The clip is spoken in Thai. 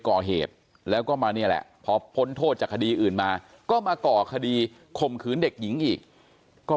ก่อเหตุแล้วก็มาเนี่ยแหละพอพ้นโทษจากคดีอื่นมาก็มาก่อคดีข่มขืนเด็กหญิงอีกก็